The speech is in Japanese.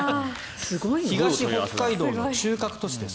東北海道の中核都市です。